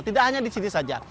tidak hanya di sini saja